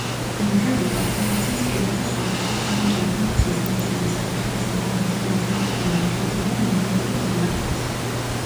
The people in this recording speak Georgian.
მიმდევრობა ფუნქციის კერძო სახეა, ამიტომ ფუნქციის მოცემის ხერხებისა და აღნიშვნების გამოყენება შეიძლება მიმდევრობის მიმართაც.